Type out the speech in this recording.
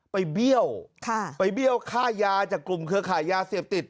เบี้ยวไปเบี้ยวค่ายาจากกลุ่มเครือขายยาเสพติด